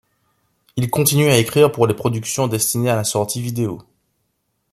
Il continue à écrire pour les productions destiné à la sortie vidéo.